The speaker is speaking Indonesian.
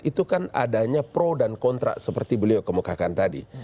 itu kan adanya pro dan kontra seperti beliau kemukakan tadi